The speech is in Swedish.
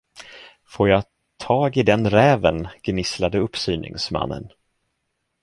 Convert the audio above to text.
Får jag tag i den räven! gnisslade uppsyningsmannen.